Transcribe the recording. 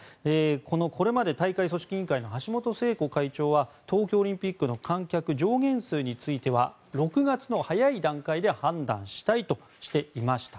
これまで大会組織委員会の橋本聖子会長は東京オリンピックの観客上限数については６月の早い段階で判断したいとしていました。